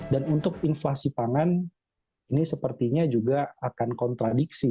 dan untuk inflasi pangan ini sepertinya juga akan kontradiksi